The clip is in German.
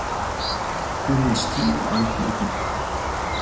Dynastie im alten Ägypten.